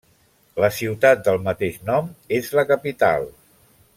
La ciutat del mateix nom és la capital.